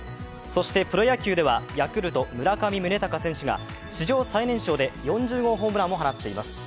そしてプロ野球ではヤクルト、村上宗隆選手が史上最年少で４０号ホームランを放っています。